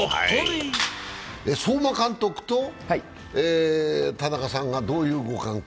相馬監督と田中さんがどういうご関係？